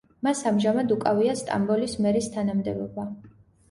მას ამჟამად უკავია სტამბოლის მერის თანამდებობა.